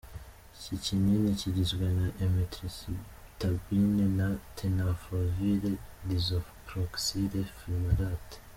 Iki kinini kigizwe na emtricitabine na tenofovir disoproxil fumarate.